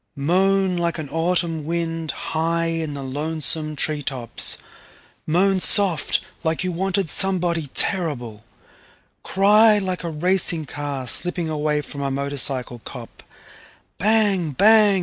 Moan like an autumn wind high in the lonesome tree tops, moan soft like you wanted somebody terrible, cry like a racing car slipping away from a motorcycle cop, bang bang!